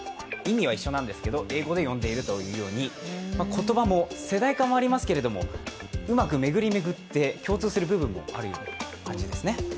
言葉も世代間はありますけれどもうまく巡り巡って共通する部分もある感じですね。